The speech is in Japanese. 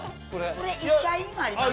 これ１階にもありますね。